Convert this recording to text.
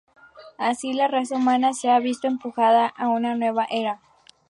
Así, la raza humana se ha visto empujada a una nueva era.